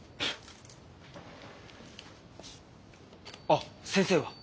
あっ先生は？